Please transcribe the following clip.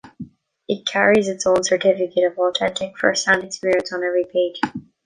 It carries its own certificate of authentic first-hand experience on every page.